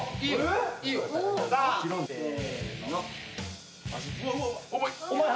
せの。